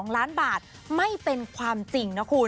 ๒ล้านบาทไม่เป็นความจริงนะคุณ